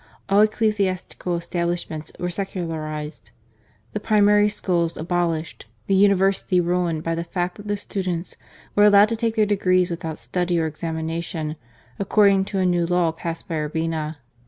All ecclesiastical estab lishments were secularized ; the primary schools abolished ; the University ruined by the fact that the students were allowed to take their degrees without study or examination, according to a new law passed by Urbina.